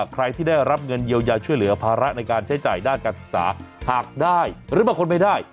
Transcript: ใครที่ได้รับเงินเยียวยาช่วยเหลือภาระในการใช้จ่ายด้านการศึกษาหากได้หรือบางคนไม่ได้